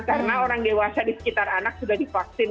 karena orang dewasa di sekitar anak sudah di vaksin